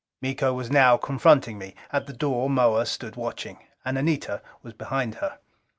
Miko was now confronting me: at the door Moa stood watching. And Anita was behind her.